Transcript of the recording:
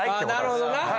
あなるほどな。